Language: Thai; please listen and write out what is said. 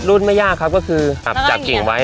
รุ่นไม่ยากครับก็คืออับจับกิ่งไว้